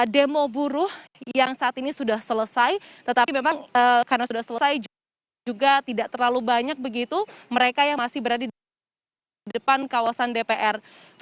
demo buruh yang saat ini sudah selesai tetapi memang karena sudah selesai juga tidak terlalu banyak begitu mereka yang masih berada di depan kawasan dpr